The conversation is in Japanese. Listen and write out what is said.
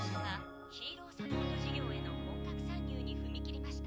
ヒーローサポート事業への本格参入に踏み切りました。